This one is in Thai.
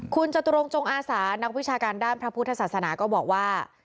คุณจตุรงจงอาสานักวิชาการด้านพระพุทธศาสนาก็บอกว่า